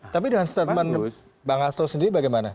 tapi dengan statement bang astro sendiri bagaimana